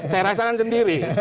saya rasakan sendiri